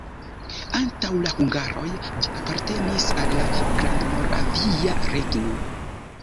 Antaŭ la hungaroj ĝi apartenis al la Grandmoravia Regno.